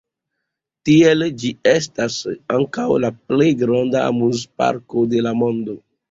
Tiel, ĝi estas ankaŭ la plej granda amuzparko de la mondo.